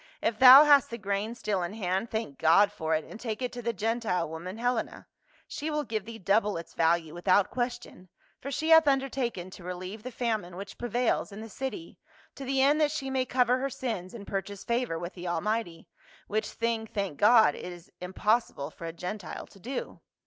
" If thou hast the grain still in hand, thank God for it and take it to the Gentile woman, Helena ;* she will give thee double its value without question, for she hath undertaken to relieve the famine which prevails in the city, to the end that she may cover her sins and pur chase favor with the Almighty — which thing, thank God, it is impossible for a Gentile to do."